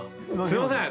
すいません。